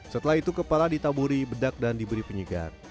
setelah itu kepala ditaburi bedak dan diberi penyegar